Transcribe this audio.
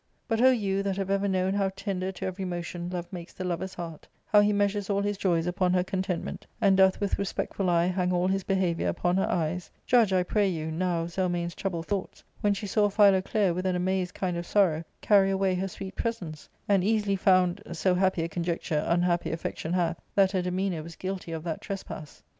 But O you that have ever known how tender to every motion love makes the lover's heart, how he measures all his joys upon her contentment, and doth with respectful eye hang all his behaviour upon her eyes, judge, I pray you, now of Zelmane's troubled thoughts, when she saw Philoclea, with an amazed kind of sorrow, carry away her sweet presence, and easily found — so happy a conjecture unhappy affection hath — that her demeanour was guilty of that trespass.